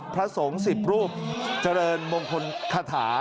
พระสงฆ์๑๐รูปเจริญมงคลคาถา